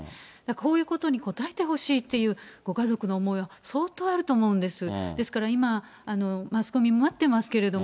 こういうことに応えてほしいっていう、ご家族の思い、相当あると思うんです。